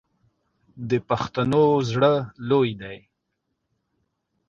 د پښتنو زړه لوی دی.